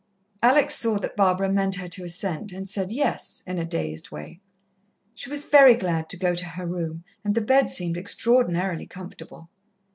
Alex saw that Barbara meant her to assent, and said "Yes" in a dazed way. She was very glad to go to her room, and the bed seemed extraordinarily comfortable.